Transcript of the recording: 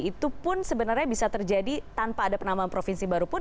itu pun sebenarnya bisa terjadi tanpa ada penambahan provinsi baru pun